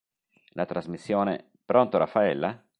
La trasmissione "Pronto, Raffaella?